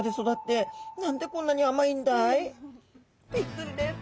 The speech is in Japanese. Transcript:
びっくりです。